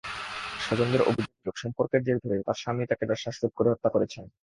স্বজনদের অভিযোগ, সম্পর্কের জের ধরে তাঁর স্বামী তাঁকে শ্বাসরোধে হত্যা করেছেন।